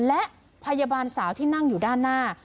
และพยาบาลสาวที่นั่งอยู่ด้านหน้า